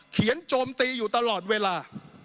เขียนโจมตีอยู่ตลอดเวลา